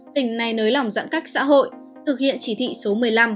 tỉnh này nới lỏng giãn cách xã hội thực hiện chỉ thị số một mươi năm